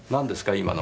今の。